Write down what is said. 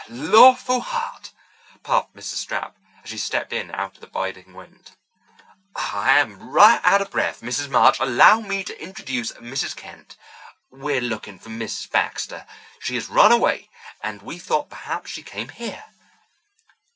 "Lawful heart!" puffed Mrs. Stapp, as she stepped in out of the biting wind. "I'm right out of breath. Mrs. March, allow me to introduce Mrs. Kent. We're looking for Mrs. Baxter. She has run away, and we thought perhaps she came here.